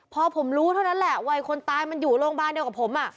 พอผมรู้เท่านั้นแหละว่าคนตายมันอยู่โรงพยาบาลเดียวกับผม